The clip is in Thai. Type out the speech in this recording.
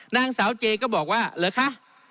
นางสาวเจก็บอกว่าเหรอคะ